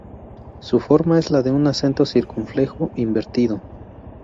Su forma es la de un acento circunflejo invertido.